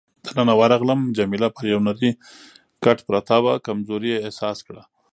دننه ورغلم، جميله پر یو نرۍ کټ پرته وه، کمزوري یې احساس کړه.